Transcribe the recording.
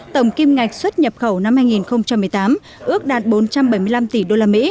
tổng kim ngạch xuất nhập khẩu năm hai nghìn một mươi tám ước đạt bốn trăm bảy mươi năm tỷ usd